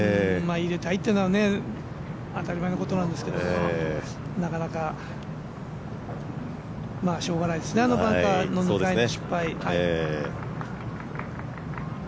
入れたいというのは当たり前のことなんですけどなかなか、まあしょうがないですねあのバンカーの２回の失敗。